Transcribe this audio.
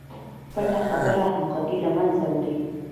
پټه خبره همغږي له منځه وړي.